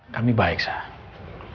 kami baik sah